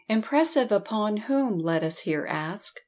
Impressive upon whom let us here ask?